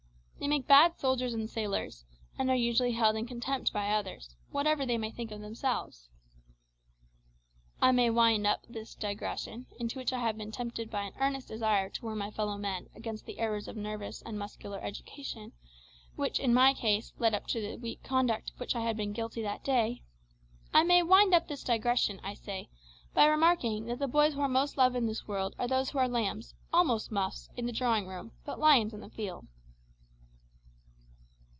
They make bad soldiers and sailors, and are usually held in contempt by others, whatever they may think of themselves. I may wind up this digression into which I have been tempted by an earnest desire to warn my fellow men against the errors of nervous and muscular education, which, in my case, led to the weak conduct of which I had been guilty that day I may wind up this digression, I say, by remarking that the boys who are most loved in this world are those who are lambs, almost muffs, in the drawing room, but lions in the field.